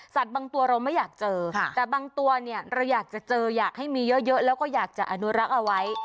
บางตัวเราไม่อยากเจอแต่บางตัวเนี่ยเราอยากจะเจออยากให้มีเยอะแล้วก็อยากจะอนุรักษ์เอาไว้